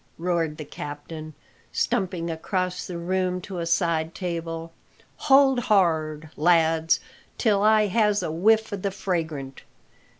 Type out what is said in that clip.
roared the captain, stumping across the room to a side table. "Hold hard, lads, till I has a whiff o' the fragrant!